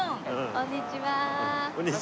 こんにちは。